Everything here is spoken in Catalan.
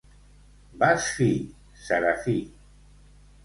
—Vas fi, Serafí!